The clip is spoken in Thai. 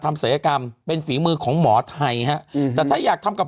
ศัยกรรมเป็นฝีมือของหมอไทยฮะอืมแต่ถ้าอยากทำกับ